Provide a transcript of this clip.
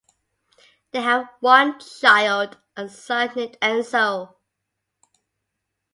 They have one child, a son named Enzo.